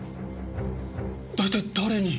大体誰に？